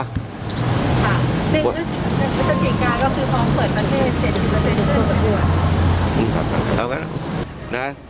ศาสตรีการก็คือฟังเกิดประเทศ๗๐เกิดเกิด